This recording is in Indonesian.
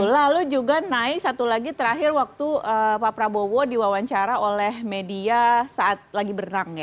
lalu juga naik satu lagi terakhir waktu pak prabowo diwawancara oleh media saat lagi berang ya